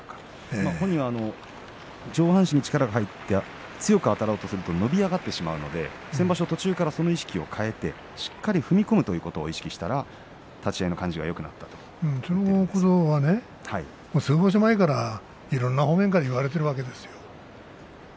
本人は上半身に力が入って強くあたろうとすると伸び上がってしまうので先場所、途中から意識を変えてしっかり踏み込むということを意識したら立ち合いの感じがそれは先場所前からいろんな方面から言われているわけですよね。